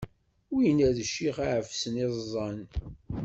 Winna d ccix iɛefsen iẓẓan.